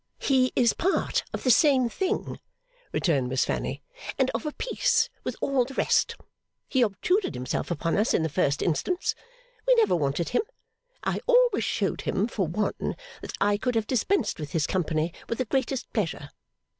'He is part of the same thing,' returned Miss Fanny, 'and of a piece with all the rest. He obtruded himself upon us in the first instance. We never wanted him. I always showed him, for one, that I could have dispensed with his company with the greatest pleasure.